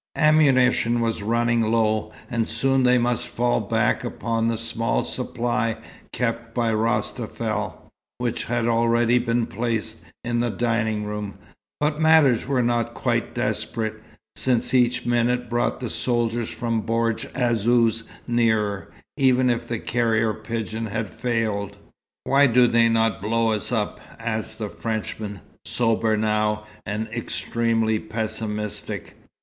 Ammunition was running low, and soon they must fall back upon the small supply kept by Rostafel, which had already been placed in the dining room; but matters were not quite desperate, since each minute brought the soldiers from Bordj Azzouz nearer, even if the carrier pigeon had failed. "Why do they not blow us up?" asked the Frenchman, sober now, and extremely pessimistic.